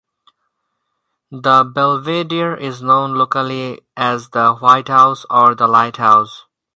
The Belvedere is known locally as the "White House" or the "Light House".